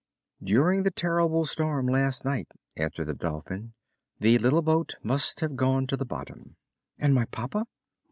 "During the terrible storm last night," answered the Dolphin, "the little boat must have gone to the bottom." "And my papa?"